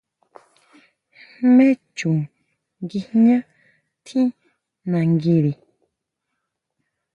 ¿Jmé chu nguijñá tjín nanguiri?